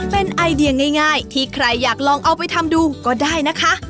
เป็นไอเดียง่ายที่ใครอยากลองเอาไปทำดูก็ได้นะคะ